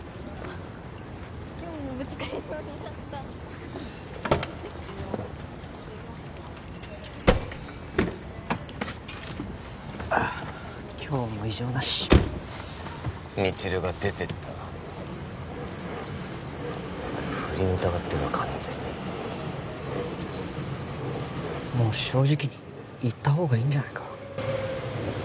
今日もぶつかりそうになった今日も異常なし未知留が出てったあれ不倫疑ってるわ完全にもう正直に言ったほうがいいんじゃないか？